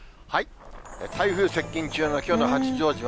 台風接近中のきょうの八丈島。